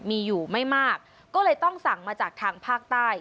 มีอยู่ไม่มากก็เลยต้องสั่งมาจากทางภาคใต้